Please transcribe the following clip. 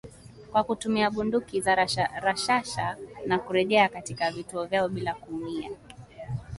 kwa kutumia bunduki za rashasha na kurejea katika vituo vyao bila kuumia